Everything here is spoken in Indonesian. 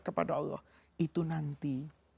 kepada allah itu nanti